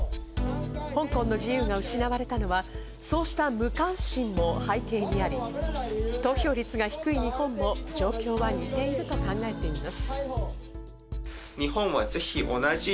香港の自由が失われたのは、そうした無関心も背景にあり、投票率が低い日本も状況は似ていると考えています。